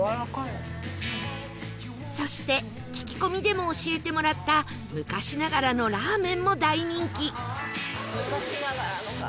そして聞き込みでも教えてもらった昔ながらのラーメンも大人気！